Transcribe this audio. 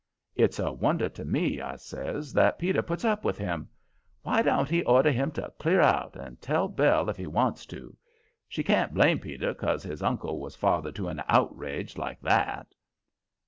"It's a wonder to me," I says, "that Peter puts up with him. Why don't he order him to clear out, and tell Belle if he wants to? She can't blame Peter 'cause his uncle was father to an outrage like that."